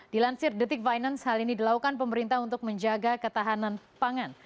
dilansir detik finance hal ini dilakukan pemerintah untuk menjaga ketahanan pangan